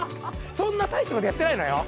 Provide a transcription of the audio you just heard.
そんな大したことやってないのよ。